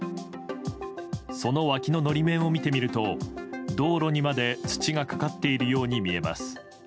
その脇の法面を見てみると道路にまで土がかかっているように見えます。